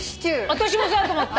私もそうだと思った。